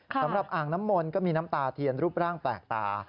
อ่างน้ำมนต์ก็มีน้ำตาเทียนรูปร่างแปลกตา